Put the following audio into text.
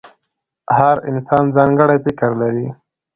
• هر انسان ځانګړی فکر لري.